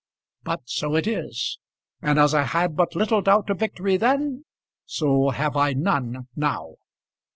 But so it is; and as I had but little doubt of victory then, so have I none now.